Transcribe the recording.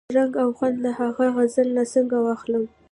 رنګ او خوند له ها غزل نه څنګه واخلم؟